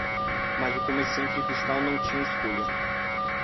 Mas o comerciante de cristal não tinha escolha.